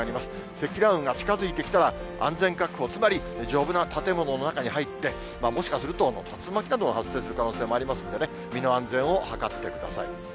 積乱雲が近づいてきたら、安全確保、つまり丈夫な建物の中に入って、もしかすると竜巻などが発生する可能性がありますのでね、身の安全を図ってください。